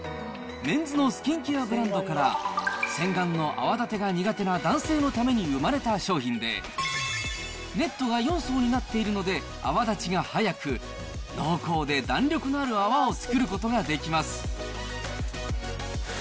メンズのスキンケアブランドから、洗顔の泡立てが苦手な男性のために生まれた商品で、ネットが４層になっているので、泡立ちが速く、濃厚で弾力のある泡を作ることができます。